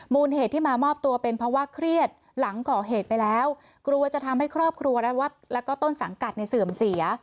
เหตุที่มามอบตัวเป็นเพราะว่าเครียดหลังก่อเหตุไปแล้วกลัวจะทำให้ครอบครัวและวัดแล้วก็ต้นสังกัดเนี่ยเสื่อมเสีย